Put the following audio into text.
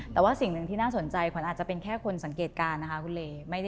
แต่ว่าสิ่งหนึ่งที่น่าสนใจขวัญอาจจะเป็นแค่คนสังเกตการณ์นะคะคุณเล